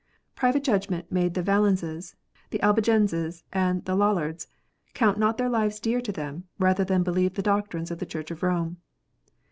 Private judgment made the Vallenses, the Albigenses, and the Lollards, count not their lives dear to them, rather than believe the doctrines of the Church of Rome.